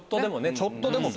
ちょっとでも。